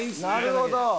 なるほど。